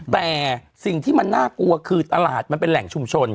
แต่สิ่งที่มันน่ากลัวคือตลาดมันเป็นแหล่งชุมชน